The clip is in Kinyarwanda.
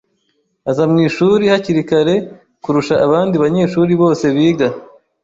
Aza mwishuri hakiri kare kurusha abandi banyeshuri bose biga.